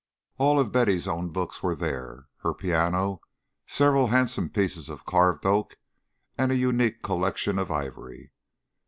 All of Betty's own books were there, her piano, several handsome pieces of carved oak, and a unique collection of ivory.